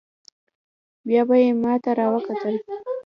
بيا به يې ما ته راوکتل.